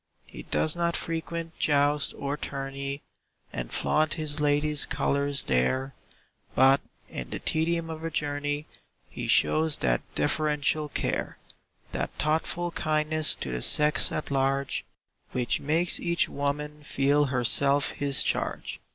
He does not frequent joust or tourney, And flaunt his lady's colors there; But in the tedium of a journey, He shows that deferential care That thoughtful kindness to the sex at large, Which makes each woman feel herself his charge.